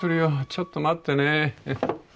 ちょっと待ってね。